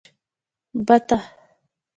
🪿بته